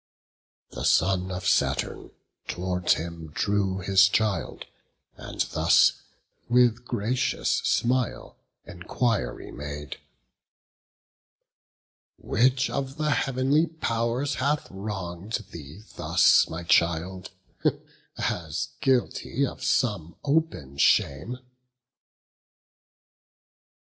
The son of Saturn tow'rds him drew his child, And thus, with gracious smile, enquiry made: "Which of the heav'nly pow'rs hath wrong'd thee thus My child, as guilty of some open shame?"